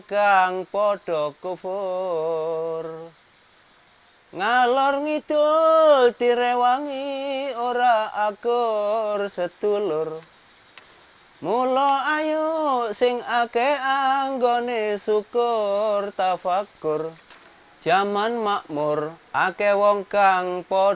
yang dapat dimanfaatkan oleh masyarakat sekitar hutan